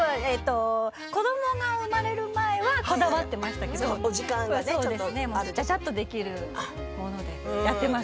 子どもが生まれる前はこだわっていましたけど今はちゃちゃっとできるものでやっています。